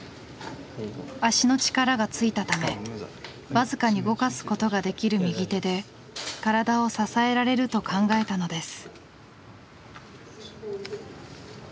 足の力がついたため僅かに動かすことができる右手で体を支えられると考えたのです。